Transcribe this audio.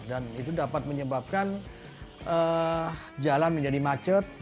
dan itu dapat menyebabkan jalan menjadi macet